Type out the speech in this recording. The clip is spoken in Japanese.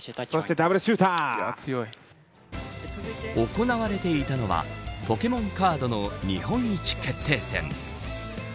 行われていたのはポケモンカードの日本一決定戦。